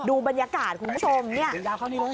ดูบรรยากาศคุณผู้ชมเนี่ย